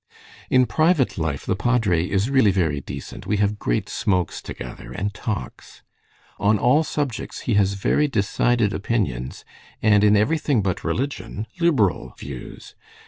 "In private life the padre is really very decent. We have great smokes together, and talks. On all subjects he has very decided opinions, and in everything but religion, liberal views.